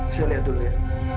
saya lihat dulu ya